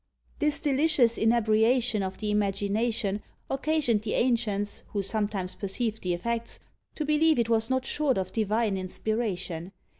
This delicious inebriation of the imagination occasioned the ancients, who sometimes perceived the effects, to believe it was not short of divine inspiration.